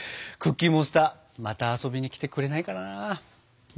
クッキーモンスターまた遊びに来てくれないかな。